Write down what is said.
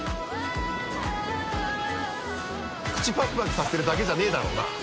口パクパクさせてるだけじゃねぇだろうな？